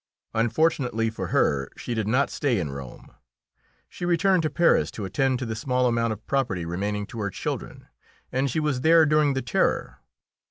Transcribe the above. Unfortunately for her, she did not stay in Rome. She returned to Paris to attend to the small amount of property remaining to her children, and she was there during the Terror.